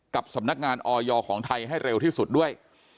กับสำนักงานออยของไทยให้เร็วที่สุดด้วย